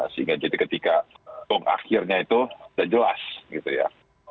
sehingga jadi ketika tong akhirnya itu sudah jelas gitu ya